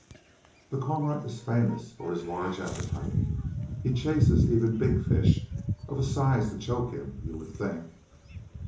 The Cormorant is famous for his large appetite; he chases even big fish, of a size to choke him, you would think.